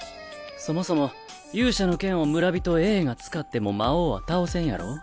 そもそも勇者の剣を村人Ａが使っても魔王は倒せんやろ？